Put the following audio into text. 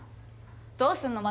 どうすんの？